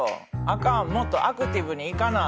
あかんもっとアクティブにいかな！